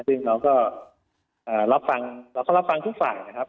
ซึ่งเราก็รับฟังทุกฝ่ายนะครับ